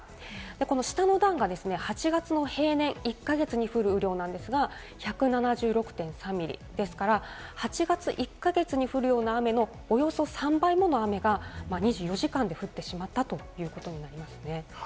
この下の段が８月の平年１か月に降る量なんですが、１７６．３ミリですから、８月１か月に降るような雨のおよそ３倍もの雨が２４時間で降ってしまったということになります。